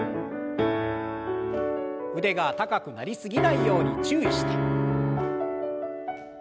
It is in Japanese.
腕が高くなり過ぎないように注意して。